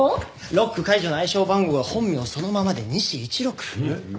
ロック解除の暗証番号が本名そのままで２４１６。